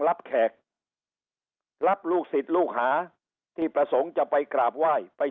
แขกรับลูกศิษย์ลูกหาที่ประสงค์จะไปกราบไหว้ไป